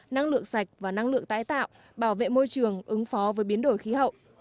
năng lượng sạch và năng lượng tái tạo bảo vệ môi trường ứng phó với biến đổi khí hậu